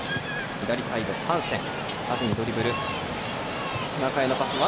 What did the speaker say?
左サイド、ハンセン。